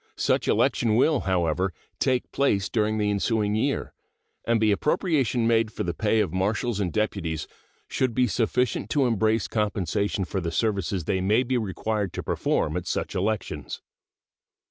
Such election will, however, take place during the ensuing year, and the appropriation made for the pay of marshals and deputies should be sufficient to embrace compensation for the services they may be required to perform at such elections.